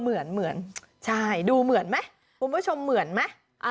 เหมือนเหมือนใช่ดูเหมือนไหมคุณผู้ชมเหมือนไหม